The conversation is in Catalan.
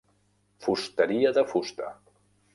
Fusteria de fusta.